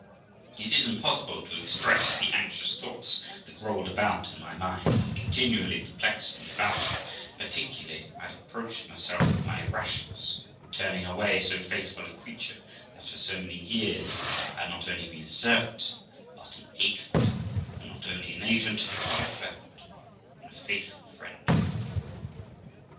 It is impossible to express the anxious thoughts that rolled about in my mind, and continually perplexed me about her; particularly I reproached myself with my rashness in turning away so faithful a creature that for so many years had not only been a servant but an agent; and not only an agent, but a friend, and a faithful friend too.